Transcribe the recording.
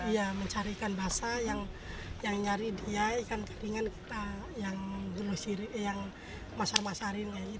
ya mencari ikan basah yang nyari dia ikan keringan kita yang masar masarin